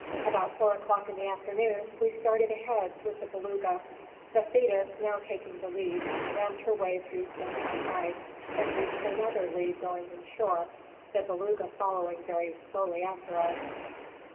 About 4 o'clock in the afternoon we started ahead with the Beluga ; the Thetis, now taking the lead, rammed her way through some pack ice and reached another lead going inshore, the Beluga following very slowly after us.